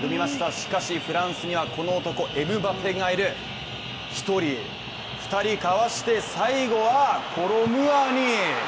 しかしフランスにはこの男がいる、エムバペ１人、２人かわして、最後はコロムアニ。